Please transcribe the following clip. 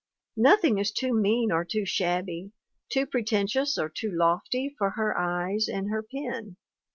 Nothing is too mean or too shabby, too pretentious or too lofty for her eyes and her pen.